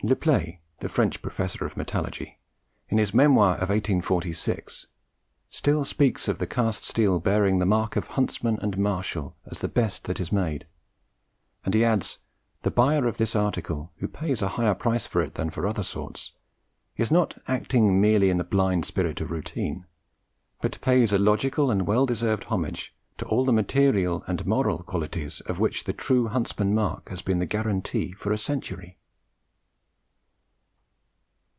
Le Play the French Professor of Metallurgy, in his Memoire of 1846, still speaks of the cast steel bearing the mark of "Huntsman and Marshall" as the best that is made, and he adds, "the buyer of this article, who pays a higher price for it than for other sorts, is not acting merely in the blind spirit of routine, but pays a logical and well deserved homage to all the material and moral qualities of which the true Huntsman mark has been the guarantee for a century."